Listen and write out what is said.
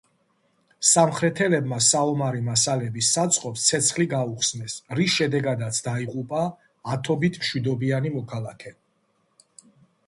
სამხრეთელებმა საომარი მასალების საწყობს ცეცხლი გაუხსნეს, რის შედეგადაც დაიღუპა ათობით მშვიდობიანი მოქალაქე.